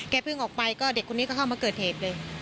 แก่เพิ่งอยู่เด็กแต่ผมก็เข้ามาเกิดเหตุเลย